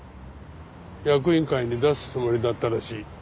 役員会に出すつもりだったらしい。